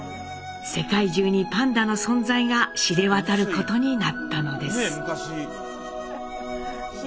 世界中にパンダの存在が知れ渡ることになったのです。